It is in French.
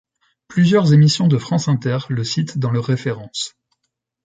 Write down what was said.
Plusieurs émissions de France Inter le sitent dans leurs références.